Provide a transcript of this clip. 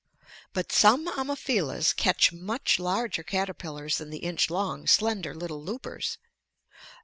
But some Ammophilas catch much larger caterpillars than the inch long, slender, little loopers.